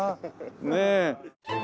ねえ。